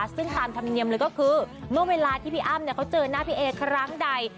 ซึ่งตามธรรมเนียมเลยก็คือเมื่อเวลาที่พี่อ้ำเขาเจอหน้าพี่เอครั้งใด